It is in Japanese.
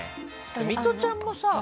ミトちゃんもさ